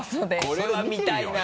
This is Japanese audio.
これは見たいな！